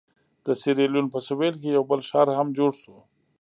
د سیریلیون په سوېل کې یو بل ښار هم جوړ شو.